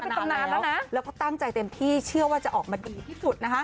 เป็นตำนานแล้วนะแล้วก็ตั้งใจเต็มที่เชื่อว่าจะออกมาดีที่สุดนะคะ